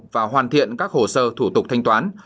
và hoàn thiện các hồ sơ thủ tục thanh toán